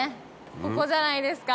ここじゃないですか？